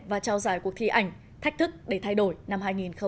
và trao giải cuộc thi ảnh thách thức để thay đổi năm hai nghìn một mươi chín